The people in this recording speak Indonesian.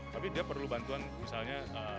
tapi dia perlu bantuan misalnya